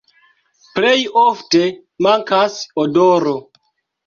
Plej ofte mankas odoro.